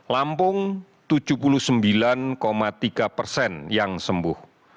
lampung tujuh puluh sembilan tiga persen yang sembuh